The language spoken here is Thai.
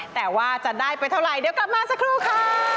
แต่ว่าจะได้ไปเท่าไหร่เดี๋ยวกลับมาสักครู่ค่ะ